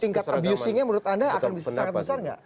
tingkat abusingnya menurut anda akan bisa sangat besar nggak